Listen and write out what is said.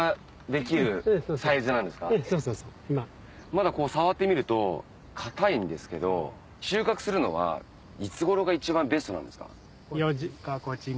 まだ触ってみると硬いんですけど収穫するのはいつ頃が一番ベストなんですか？